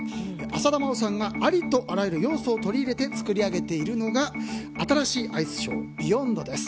浅田真央さんがありとあらゆる要素を取り入れて作り上げているのが新しいアイスショー「ＢＥＹＯＮＤ」です。